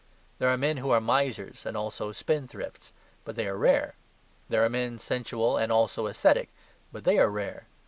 There are men who are misers, and also spendthrifts; but they are rare. There are men sensual and also ascetic; but they are rare.